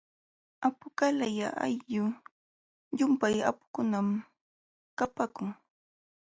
Apuqalaya ayllu llumpay apukunam kapaakun.